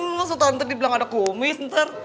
masa tante dibilang ada kumis ntar